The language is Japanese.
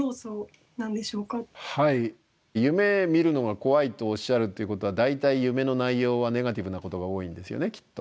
はい夢見るのが怖いとおっしゃるっていうことは大体夢の内容はネガティブなことが多いんですよねきっと。